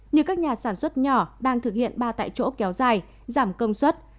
như các nhà sản xuất nhỏ đang thực hiện ba tại chỗ kéo dài giảm công suất